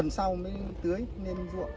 hàng tuần sau mới tưới lên ruộng